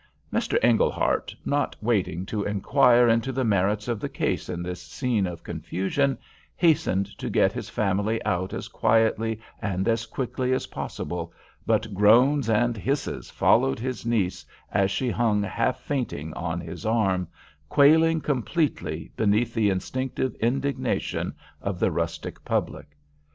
Mr. Englehart, not waiting to inquire into the merits of the case in this scene of confusion, hastened to get his family out as quietly and as quickly as possible, but groans and hisses followed his niece as she hung half fainting on his arm, quailing completely beneath the instinctive indignation of the rustic public.